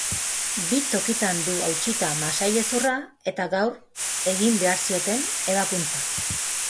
Bi tokitan du hautsita masailezurra, eta gaur egin behar zioten ebakuntza.